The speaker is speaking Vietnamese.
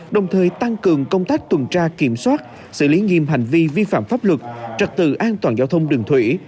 đồng thời tăng cường công tác tuần tra kiểm soát xử lý nghiêm hành vi vi phạm pháp luật trật tự an toàn giao thông đường thủy